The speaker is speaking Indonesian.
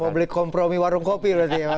republik kompromi warung kopi